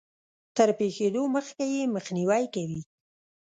تر پېښېدو مخکې يې مخنيوی کوي.